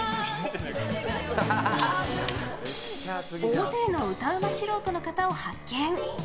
大勢の歌うま素人の方を発見。